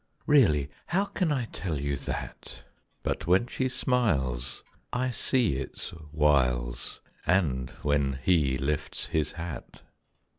Really, How can I tell you that? But when she smiles I see its wiles, And when he lifts his hat.